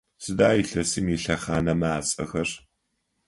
Сыда илъэсым илъэхъанэмэ ацӏэхэр?